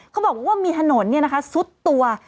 เขาบอกว่ามีถนนซุดตัว